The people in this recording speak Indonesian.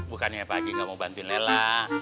bukannya pak haji gak mau bantuin lela